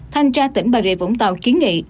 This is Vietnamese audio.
thanh tra tỉnh bà rịa vũng tàu kiến nghị